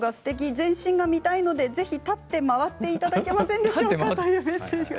全身が見たいのでぜひ立って回っていただけませんでしょうか。